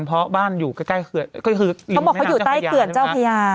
เพราะบ้านอยู่ใกล้เกือดก็คือเขาบอกเขาอยู่ใกล้เกือดเจ้าขยา